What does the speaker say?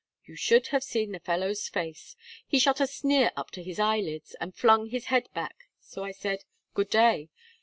You should have seen the fellow's face. He shot a sneer up to his eyelids, and flung his head back. So I said, "Good day."